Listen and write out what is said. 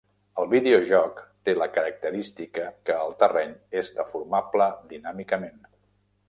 El videojoc té la característica que el terreny és deformable dinàmicament.